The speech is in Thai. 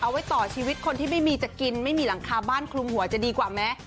เอาไว้ต่อชีวิตคนที่ไม่มีจะกินไม่มีหลังคาบ้านคลุมหัวจะดีกว่าไหม